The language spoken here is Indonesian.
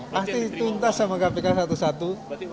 pasti tuntas sama kpk satu satu